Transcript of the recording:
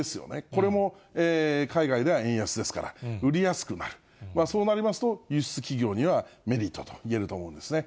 これも、海外では円安ですから、売りやすくなる、そうなりますと、輸出企業にはメリットと言えると思うんですね。